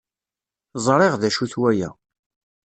Ẓriɣ d acu-t waya.